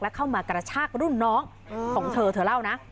เข้ามากระชากรุ่นน้องของเธอเธอเล่านะ